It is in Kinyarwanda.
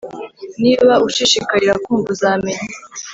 Niba ushishikarira kumva, uzamenya,